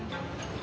あ。